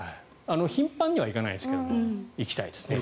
頻繁には行かないですけど行きたいですね。